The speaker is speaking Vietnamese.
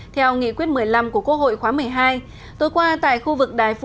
theo nghị quyết một mươi năm của quốc hội khóa một mươi hai